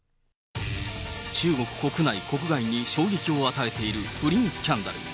中国国内、国外に衝撃を与えている不倫スキャンダル。